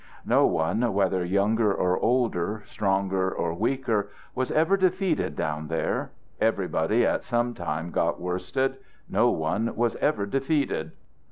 No one, whether younger or older, stronger or weaker, was ever defeated down there; everybody at some time got worsted; no one was ever defeated.